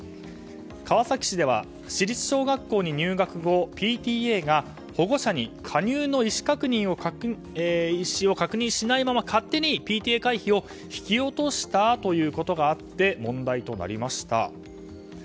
川崎市では市立小学校に入学後、ＰＴＡが保護者に加入の意思を確認しないまま勝手にＰＴＡ会費を引き落としたということがあって問題となりました。